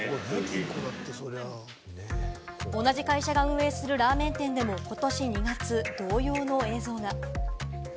同じ会社が運営するラーメン店でも、ことし２月、同様の映像が。